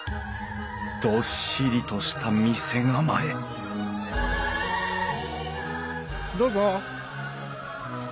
どっしりとした店構えどうぞ。